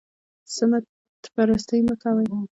سمت پرستي مه کوئ